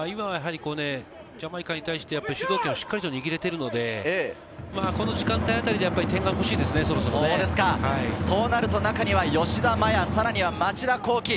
ジャマイカに対して主導権をしっかりと握れているので、この時間帯あたりで点が欲しいでそうなると中には吉田麻也、さらには町田浩樹。